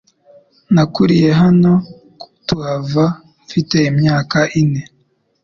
Nakuriye hano tuhava mfite imyaka ine .